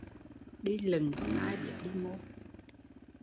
Đi lựng không ai biết đi mô